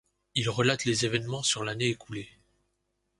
Il relate les événements sur l'année écoulée.